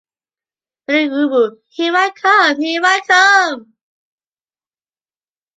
Père Ubu Here I come! Here I come!